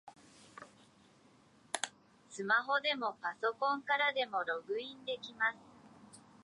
スマホでもパソコンからでもログインできます